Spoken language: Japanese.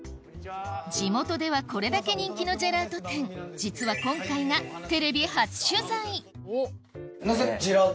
地元ではこれだけ人気のジェラート店実は今回が妻と。